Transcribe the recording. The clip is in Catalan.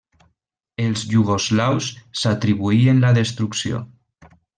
Els iugoslaus s'atribuïen la destrucció.